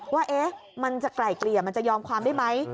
ว่ามันจะไกล่เกลี่ยมันจะยอมความได้ไหม